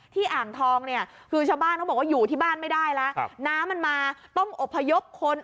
อ่างทองเนี่ยคือชาวบ้านเขาบอกว่าอยู่ที่บ้านไม่ได้แล้วน้ำมันมาต้องอบพยพคน